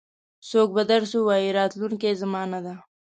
څوک به درس ووایي راتلونکې زمانه ده.